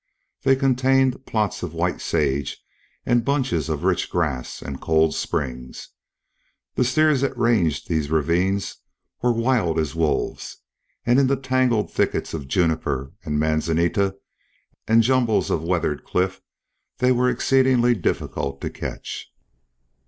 They contained plots of white sage and bunches of rich grass and cold springs. The steers that ranged these ravines were wild as wolves, and in the tangled thickets of juniper and manzanita and jumbles of weathered cliff they were exceedingly difficult to catch.